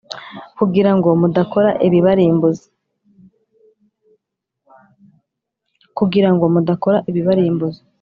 kugira ngo mudakora ibibarimbuza